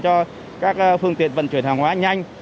cho các phương tiện vận chuyển hàng hóa nhanh